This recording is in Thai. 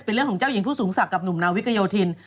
เป็นเรื่องของเจ้าหญิงผู้สูงศักดิ์กับหนุ่มนาวิกโยธิน